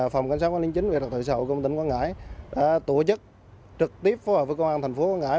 phòng cảnh sát quảng ninh chính về thật thời sầu của tỉnh quảng ngãi đã tổ chức trực tiếp phối hợp với công an thành phố quảng ngãi